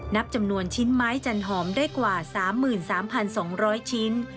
นับจำนวนชิ้นไม้จันหอมได้กว่า๓๓๒๐๐ชิ้น